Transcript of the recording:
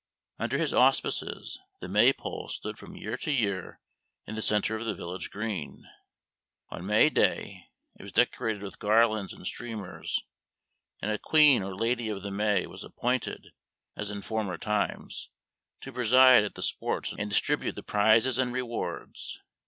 Under his auspices the May pole stood from year to year in the centre of the village green; on Mayday it was decorated with garlands and streamers, and a queen or lady of the May was appointed, as in former times, to preside at the sports and distribute the prizes and rewards.